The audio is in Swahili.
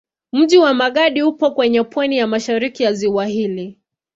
Mji wa Magadi upo kwenye pwani ya mashariki ya ziwa hili.